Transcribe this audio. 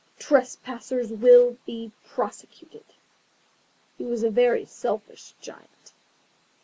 TRESPASSERS WILL BE PROSECUTED He was a very selfish Giant.